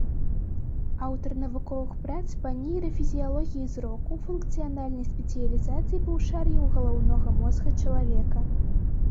Аўтар навуковых прац па нейрафізіялогіі зроку, функцыянальнай спецыялізацыі паўшар'яў галаўнога мозга чалавека.